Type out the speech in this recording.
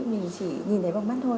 mình chỉ nhìn thấy bằng mắt thôi